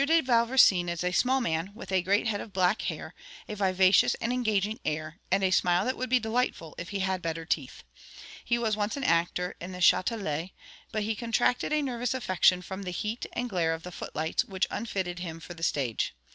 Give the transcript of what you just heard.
de Vauversin is a small man, with a great head of black hair, a vivacious and engaging air, and a smile that would be delightful if he had better teeth. He was once an actor in the Châtelet; but he contracted a nervous affection from the heat and glare of the footlights, which unfitted him for the stage.